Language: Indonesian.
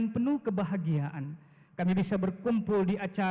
pombang si laju laju